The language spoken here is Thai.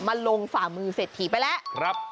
มาลงฝ่ามือเสถียร์ไปแล้ว